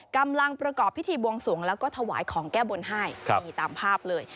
กำลังประกอบพิธีบวงสวงแล้วก็ถวายของแก้บนให้นี่ตามภาพเลย